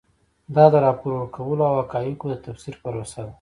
دا د راپور ورکولو او حقایقو د تفسیر پروسه ده.